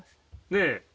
ねえ。